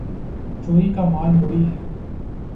چوری کا مال موری میں